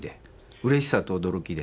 うれしさと驚きで。